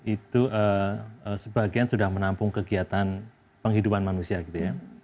itu sebagian sudah menampung kegiatan penghidupan manusia gitu ya